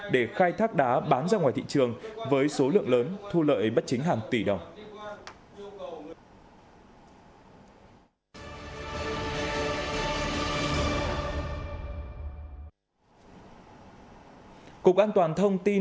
để khai thác đá bán ra ngoài thị trường với số lượng lớn thu lợi bất chính hàng tỷ đồng